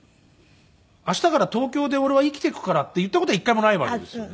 「明日から東京で俺は生きていくから」って言った事は１回もないわけですよね。